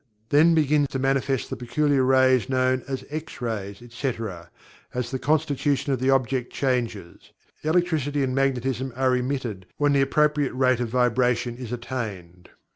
Then begin to manifest the peculiar rays known as the "X Rays," etc., as the constitution of the object changes. Electricity and Magnetism are emitted when the appropriate rate of vibration is attained.